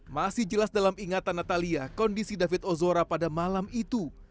masih jelas dalam ingatan natalia kondisi david ozora pada malam itu